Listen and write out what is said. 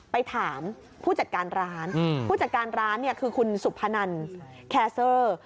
ไปถามผู้จัดการร้านผู้จัดการร้านเนี่ยคือคุณสุพนันแคเซอร์